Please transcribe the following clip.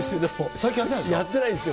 最近やってないんですか？